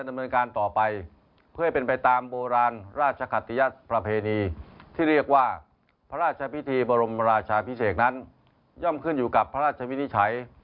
ดำเนินการต่อไปเพื่อให้เป็นไปตามโบราณราชขัตยัติประเพณีที่เรียกว่าพระราชพิธีบรมราชาพิเศษนั้นย่อมขึ้นอยู่กับพระราชวินิจฉัย